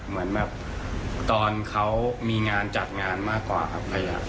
เหมือนแบบตอนเขามีงานจัดงานมากกว่าครับ